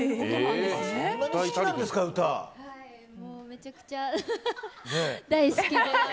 めちゃくちゃ大好きで。